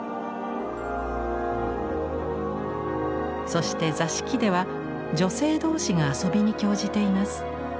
そして座敷では女性同士が遊びに興じています。